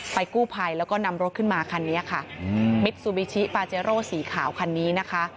กู้ภัยแล้วก็นำรถขึ้นมาคันนี้ค่ะมิดซูบิชิปาเจโร่สีขาวคันนี้นะคะ